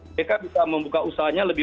mereka bisa membuka usahanya lebih